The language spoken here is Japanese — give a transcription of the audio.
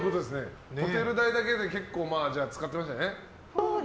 ホテル代だけで結構、使っていましたね？